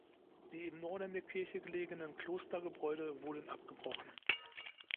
Die im Norden der Kirche gelegenen Klostergebäude wurden abgebrochen.